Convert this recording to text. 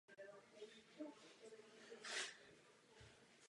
V obci je možnost občerstvení a nákupů.